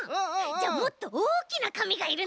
じゃあもっとおおきなかみがいるね。